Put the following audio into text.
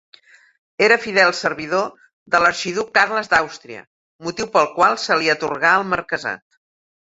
Era fidel servidor de l'arxiduc Carles d'Àustria, motiu pel qual se li atorgà el marquesat.